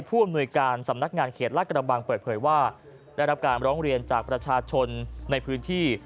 ผู้อำนวยการสำนักงานเขตลาดกระบังเปิดเผยว่าได้รับการร้องเรียนจากประชาชนในพื้นที่